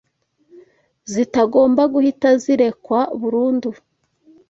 zitagomba guhita zirekwa burundu